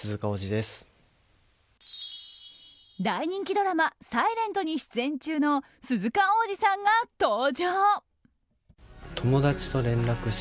大人気ドラマ「ｓｉｌｅｎｔ」に出演中の鈴鹿央士さんが登場。